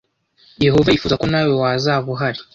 Yehova yifuza ko nawe wazaba uhari